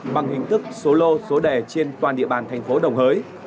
bằng hình thức số lô số đẻ trên toàn địa bàn tp đồng hới